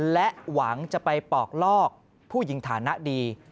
และหวังจะไปปอกลอกผู้หญิงฐานะดี